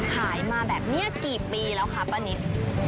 ขายมาแบบนี้กี่ปีแล้วคะป้านิต